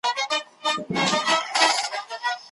د کار او ژوند توازن د خوښۍ لامل دی.